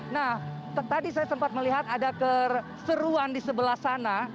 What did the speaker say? nah tadi saya sempat melihat ada keseruan di sebelah sana